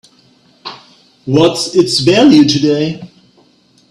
What's its value today?